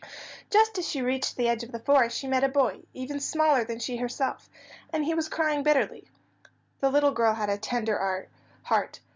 Just as she reached the edge of the forest she met a boy, even smaller than she herself, and he was crying bitterly. The little girl had a tender heart.